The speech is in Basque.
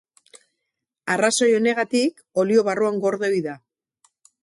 Arrazoi honegatik, olio barruan gorde ohi da.